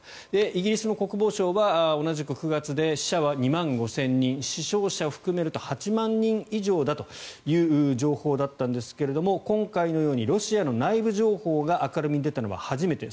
イギリスの国防省は同じく９月で死者は２万５０００人死傷者を含めると８万人以上だという情報だったんですが今回のようにロシアの内部情報が明るみに出たのは初めて。